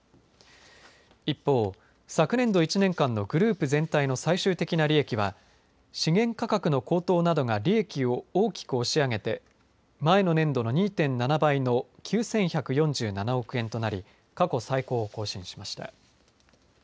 一方、昨年度１年間のグループ全体の最終的な利益は資源価格の高騰などが利益を大きく押し上げて前の年度の２．７倍の９１４７億円となり過去最高を更新しました。